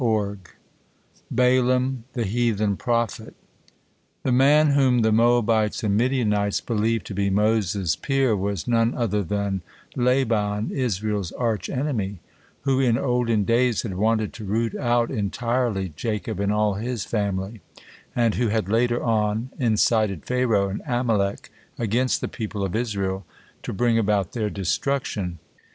BALAAM, THE HEATHEN PROPHET The man whom the Moabites and Midianites believed to be Moses' peer was none other than Laban, Israel's arch enemy, who in olden days had wanted to root out entirely Jacob and all his family, and who had later on incited Pharaoh and Amalek against the people of Israel to bring about their destruction.